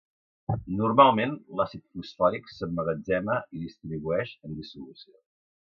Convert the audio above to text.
Normalment, l'àcid fosfòric s'emmagatzema i distribueix en dissolució.